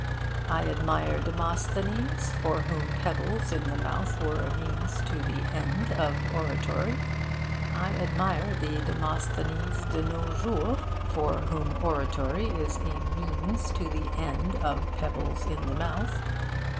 I admire Demosthenes, for whom pebbles in the mouth were a means to the end of oratory. I admire the Demosthenes de nos jours, for whom oratory is a means to the end of pebbles in the mouth.